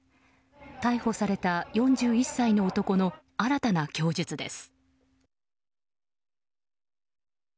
逮捕された４１歳の男の新たな供述です。